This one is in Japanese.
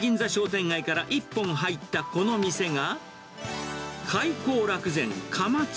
熱海銀座商店街から一本入った、この店が。